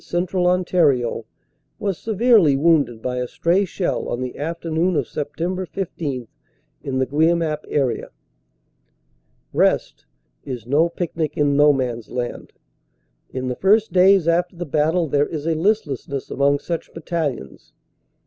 Central Ontario, was severely wounded by a stray shell on the afternoon of Sept. IS in the Guemappe area. "Rest" is no picnic in No Man s Land. In the first days after the battle there is a listlessness among such battalions.